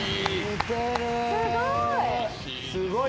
すごい。